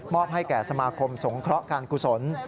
ให้แก่สมาคมสงเคราะห์การกุศล